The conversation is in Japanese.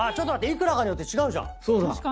幾らかによって違うじゃん！